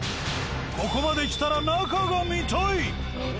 ここまできたら中が見たい。